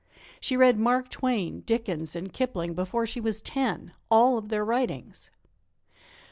She read Mark Twain, Dickens and Kipling before she was ten all of their writings.